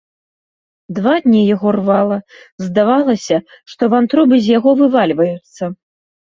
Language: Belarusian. Два дні яго рвала, здавалася, што вантробы з яго вывальваюцца.